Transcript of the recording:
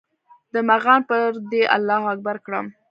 د مغان پر در الله اکبر کړم